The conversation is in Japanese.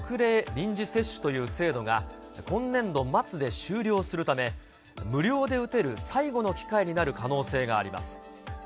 臨時接種という制度が今年度末で終了するため、無料で打てる最後の機会になる可能性があります。